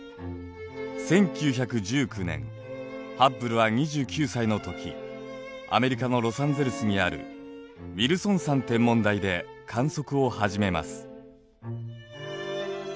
１９１９年ハッブルは２９歳のときアメリカのロサンゼルスにあるウィルソン山天文台で観測をはじめます。